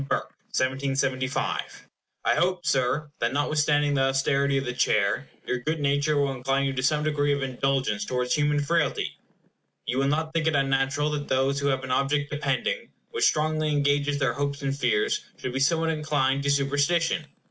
HOUSE OF COMMONS, MARCH 22, 1775 I hope, Sir, that notwithstanding the austerity of the Chair, your good nature will incline you to some degree of indulgence towards human frailty. You will not think it unnatural that those who have an object depending, which strongly engages their hopes and fears, should be somewhat inclined to superstition.